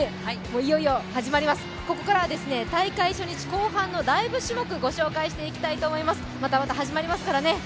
ここからは大会初日後半のライブ種目をご紹介していきたいと思います、また始まりますからね。